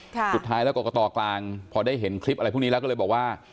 สุดท้ายแล้วกรกตกลางพอได้เห็นคลิปอะไรพวกนี้แล้วก็เลยบอกว่า